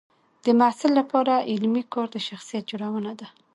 د محصل لپاره علمي کار د شخصیت جوړونه ده.